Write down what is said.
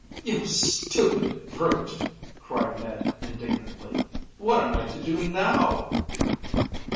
"You stupid brute!" cried Ned indignantly. "What am I to do now?"